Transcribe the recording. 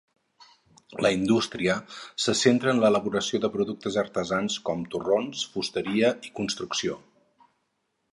La indústria se centra en l'elaboració de productes artesans com torrons, fusteria i construcció.